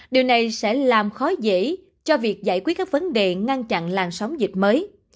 điều này sẽ làm khó dễ cho việc giải quyết các vấn đề ngăn chặn làn sóng dịch mới